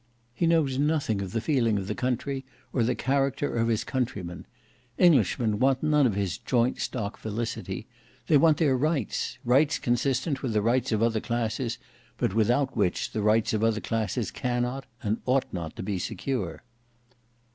He knows nothing of the feeling of the country or the character of his countrymen. Englishmen want none of his joint stock felicity; they want their rights,—rights consistent with the rights of other classes, but without which the rights of other classes cannot, and ought not, to be secure."